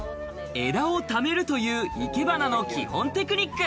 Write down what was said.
枝をためるという生け花の基本テクニック。